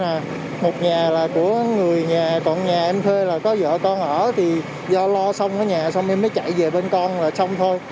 là một nhà là của người nhà còn nhà em thuê là có vợ con ở thì do lo xong ở nhà xong em mới chạy về bên con là xong thôi